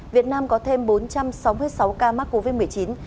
việt nam có thêm bốn trăm sáu mươi sáu ca mắc covid một mươi chín